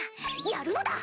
やるのだ！